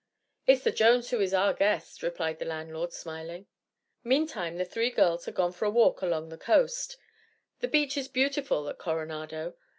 "It's the Jones who is our guest," replied the landlord, smiling. Meantime the three girls had gone for a walk along the coast. The beach is beautiful at Coronado.